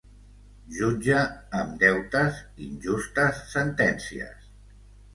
Jutge amb deutes, injustes sentències.